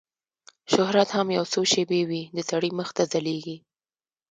شهرت هم یو څو شېبې وي د سړي مخ ته ځلیږي